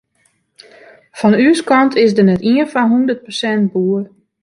Fan ús kant is der net ien foar hûndert persint boer.